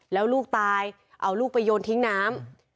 แล้วลูกตายเอาลูกไปโยนทิ้งน้ำ